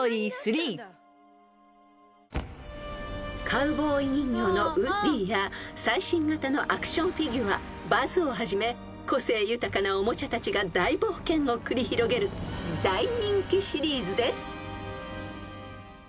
［カウボーイ人形のウッディや最新型のアクションフィギュアバズをはじめ個性豊かなおもちゃたちが大冒険を繰り広げる大人気シリーズです］